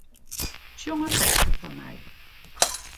Sjong in ferske foar my.